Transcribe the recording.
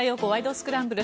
スクランブル」。